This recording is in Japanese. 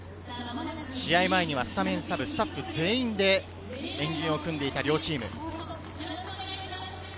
試合前にはスタメン、サブ、スタッフ全員で円陣を組んでいた両チーム。